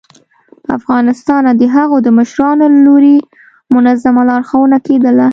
ه افغانستانه د هغو د مشرانو له لوري منظمه لارښوونه کېدله